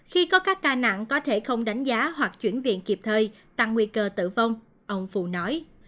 khi có các ca nặng có thể không đánh giá hoặc chuyển viện kịp thời tăng nguy cơ tử vong ông phù nói